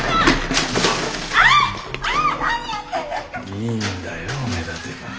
いいんだよ目立てば。